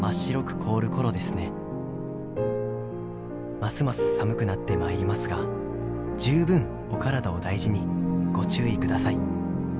ますます寒くなってまいりますが十分お体を大事にご注意ください。